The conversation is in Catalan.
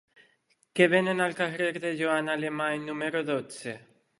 Què venen al carrer de Joana Alemany número dotze?